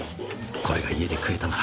これが家で食えたなら。